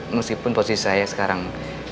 meskipun posisi saya sekarang